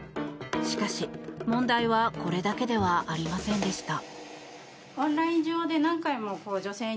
しかし、問題はこれだけではありませんでした。